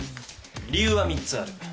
理由は３つある。